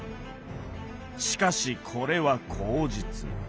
しかしこれは口実。